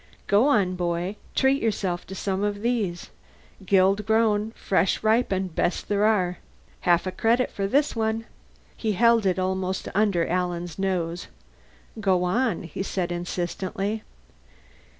"Go on, boy. Treat yourself to some of these. Guild grown, fresh ripened, best there are. Half a credit for this one." He held it almost under Alan's nose. "Go on," he said insistently.